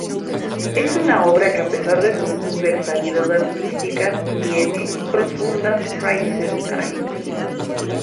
Es una obra que a pesar de su universalidad artística, tiene profundas raíces argentinas.